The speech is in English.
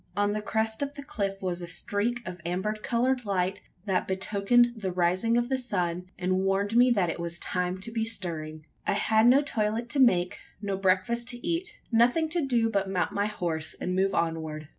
On the crest of the cliff was a streak of amber coloured light, that betokened the rising of the sun and warned me that it was time to be stirring. I had no toilet to make no breakfast to eat: nothing to do but mount my horse and move onward.